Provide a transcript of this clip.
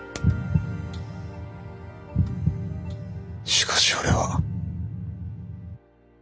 しかし俺は。